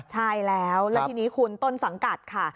ใช่แล้วแล้วทีนี้คุณต้นสังกัดค่ะ